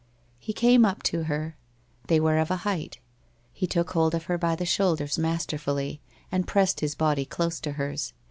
He came up to her. They were of a height. He took hold of her by the shoulders masterfully, and pressed his body close to hers.